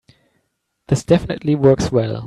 This definitely works well.